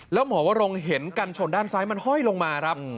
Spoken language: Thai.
แล้วหมอวรงเห็นกันชนด้านซ้ายมันห้อยลงมาครับ